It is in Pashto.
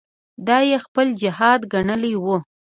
دا یې خپل جهاد ګڼلی وو.